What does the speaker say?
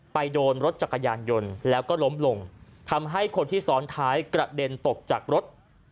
โดนรถจักรยานยนต์แล้วก็ล้มลงทำให้คนที่ซ้อนท้ายกระเด็นตกจากรถ